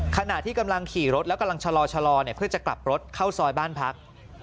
ขณะที่กำลังขี่รถแล้วกำลังชะลอเพื่อจะกลับรถเข้าซอยบ้านพัก